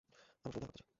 আমি শুধু দেখা করতে চাই।